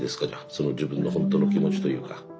その自分のほんとの気持ちというか。